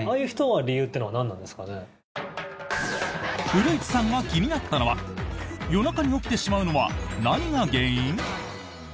古市さんが気になったのは夜中に起きてしまうのは何が原因？